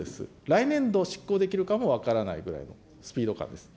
来年度執行できるかも分からないぐらいのスピード感です。